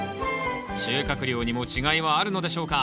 収穫量にも違いはあるのでしょうか？